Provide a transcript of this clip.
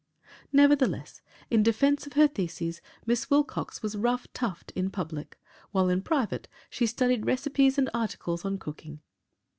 Nevertheless, in defence of her theses, Miss Wilcox was rough toughed in public, while in private, she studied recipes and articles on cooking.